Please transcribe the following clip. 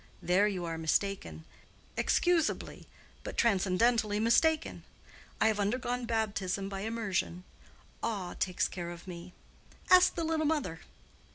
There you are mistaken—excusably, but transcendently mistaken. I have undergone baptism by immersion. Awe takes care of me. Ask the little mother."